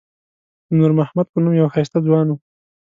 د نور محمد په نوم یو ښایسته ځوان و.